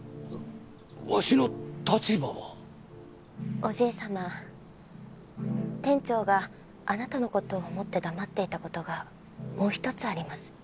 おじい様店長があなたの事を思って黙っていた事がもう一つあります。